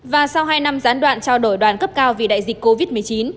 và sau hai năm gián đoạn trao đổi đoàn cấp cao vì đại dịch covid một mươi chín